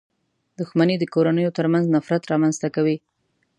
• دښمني د کورنيو تر منځ نفرت رامنځته کوي.